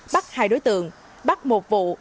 bắt hai đối tượng bắt một vụ